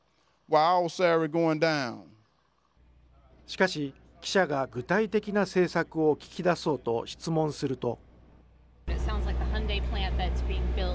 しかし、記者が具体的な政策を聞き出そうと質問すると。